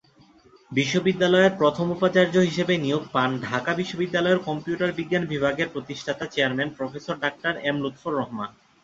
বিশ্ববিদ্যালয়ের প্রথম উপাচার্য হিসেবে নিয়োগ পান ঢাকা বিশ্ববিদ্যালয়ের কম্পিউটার বিজ্ঞান বিভাগের প্রতিষ্ঠাতা chairman professor doctor M Lutfor Rahman.